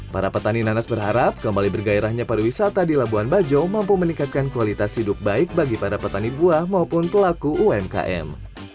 para petani nanas berharap kembali bergairahnya pariwisata di labuan bajo mampu meningkatkan kualitas hidup baik bagi para petani buah maupun pelaku umkm